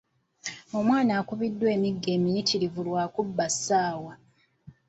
Omwana akubiddwa emiggo emiyitirivu lwa kubba ssaawa.